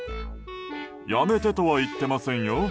やめてとは言ってませんよ。